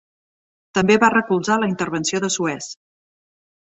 També va recolzar la intervenció de Suez.